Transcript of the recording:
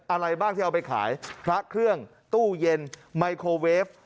อะไรบ้างที่เอาไปขายพระเครื่องตู้เย็นไมโครเวฟ